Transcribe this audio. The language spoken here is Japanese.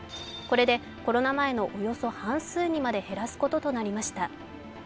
これでコロナ前のおよそ半数にまで減らすこととなりました。